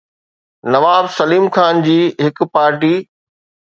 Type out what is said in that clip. نواب سليم خان جي هڪ پارٽي